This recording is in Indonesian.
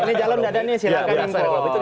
ini jalan tidak ada ini silahkan